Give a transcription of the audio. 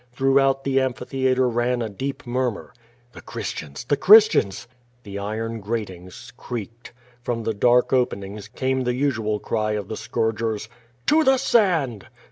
Throughout thel amphitheatre ran a deep murmur. ^^ "The Christians! The Christians !''\ The iron gratings creaked. From the dark openings came ' the usual cry of the scourgers: "To the sand!"